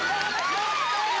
やったー！